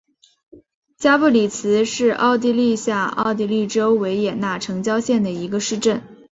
加布里茨是奥地利下奥地利州维也纳城郊县的一个市镇。